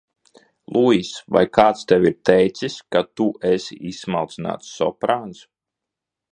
Luis, vai kāds tev ir teicis, ka tu esi izsmalcināts soprāns?